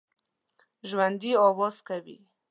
ژوندي آواز کوي